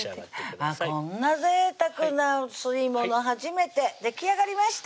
こんなぜいたくなお吸い物初めてできあがりました